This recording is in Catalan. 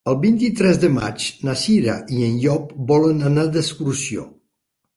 El vint-i-tres de maig na Cira i en Llop volen anar d'excursió.